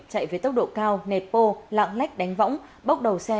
chạy với tốc độ cao nệt vô lạng lách đánh võng bốc đầu xe